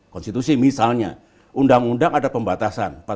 konstitusi misalnya undang undang ada pembatasan